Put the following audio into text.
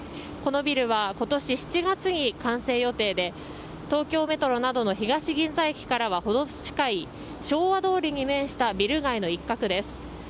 このビルは今年７月に完成予定で東京メトロなどの東銀座駅からは程近い昭和通りに面したビル街の一角です。